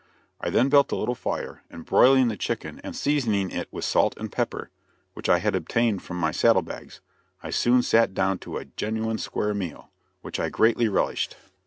I then built a little fire, and broiling the chicken and seasoning it with salt and pepper, which I had obtained from my saddle bags, I soon sat down to a "genuine square meal," which I greatly relished.